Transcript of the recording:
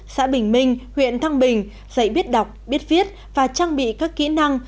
xã bình minh huyện thăng bình dạy biết đọc biết viết và trang bị các kỹ năng